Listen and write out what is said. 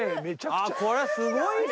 あぁこれはすごいね。